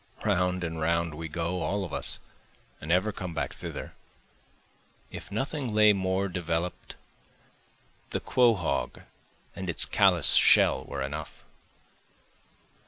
(Round and round we go, all of us, and ever come back thither,) If nothing lay more develop'd the quahaug in its callous shell were enough.